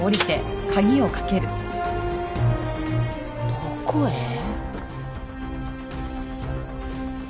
どこへ？